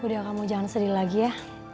udah kamu jangan sedih lagi ya